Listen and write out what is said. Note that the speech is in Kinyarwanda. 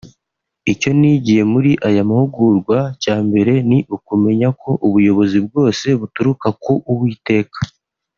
“Icyo nigiye muri aya mahugurwa cya mbere ni ukumenya ko ubuyobozi bwose buturuka ku Uwiteka